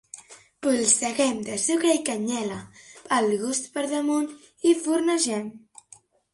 Polsegem de sucre i canyella al gust per damunt i fornegem.